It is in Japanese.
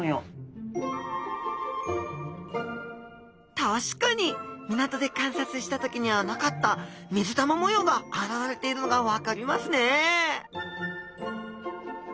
確かに港で観察した時にはなかった水玉模様があらわれているのが分かりますね